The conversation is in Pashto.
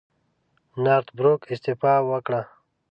نارت بروک استعفی وکړه.